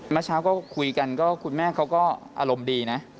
เมื่อเช้าก็คุยกันก็คุณแม่เขาก็อารมณ์ดีนะ